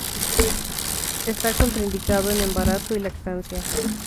Está contraindicado en embarazo y lactancia.